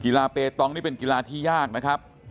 คุณยายบอกว่ารู้สึกเหมือนใครมายืนอยู่ข้างหลัง